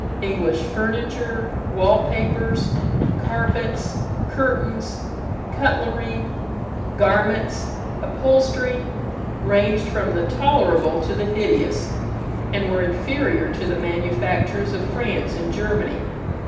English furniture, wall papers, carpets, curtains, cutlery, garments, upholstery, ranged from the tolerable to the hideous, and were inferior to the manufactures of France and Germany.